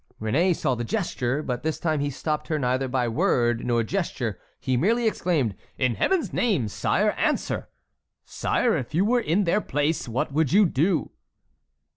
Réné saw the gesture, but this time he stopped her neither by word nor gesture; he merely exclaimed: "In Heaven's name, sire, answer! Sire, if you were in their place what would you do?"